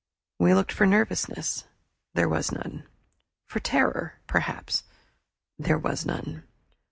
We looked for nervousness there was none. For terror, perhaps there was none.